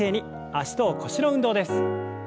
脚と腰の運動です。